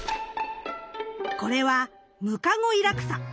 これはムカゴイラクサ。